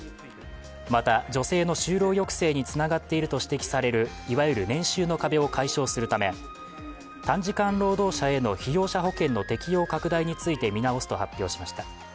また、女性の就労抑制つながっていると指摘されるいわゆる年収の壁を解消するため、短時間労働者への被用者保険の適用拡大について見直すと発表しました。